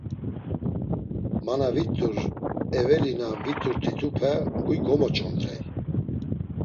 Ma na vit̆ur, eveli na vit̆urt̆itupe huy gomoç̌ondrey.